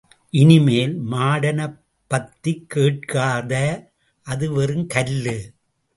இனிமேல் மாடனப் பத்திக் கேட்காத... அது வெறும் கல்லு...!